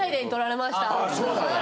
・あっそうなんや・